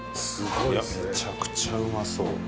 めちゃくちゃうまそう。